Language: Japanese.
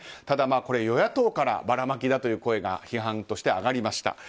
ただ、これは与野党からばらまきだという声が批判として挙がりました。